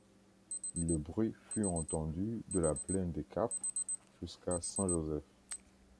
Le bruit fut entendu de la Plaine des Cafres jusqu'à Saint-Joseph.